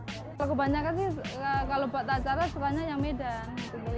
kalau kebanyakan sih kalau buat acara sukanya yang medan